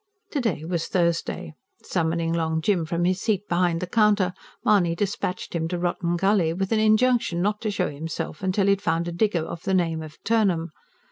To day was Thursday. Summoning Long Jim from his seat behind the counter, Mahony dispatched him to Rotten Gully, with an injunction not to show himself till he had found a digger of the name of Turnham.